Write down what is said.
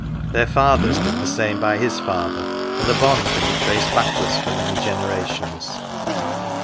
Their fathers did the same by his father, and the bond can be traced backward for many generations.